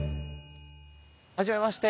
はじめまして。